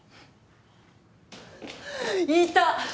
いた！